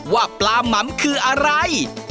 ว่าปลาหม่ำคืออะไร